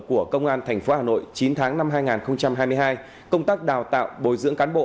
của công an tp hà nội chín tháng năm hai nghìn hai mươi hai công tác đào tạo bồi dưỡng cán bộ